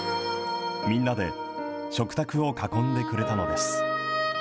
みんなで食卓を囲んでくれたのです。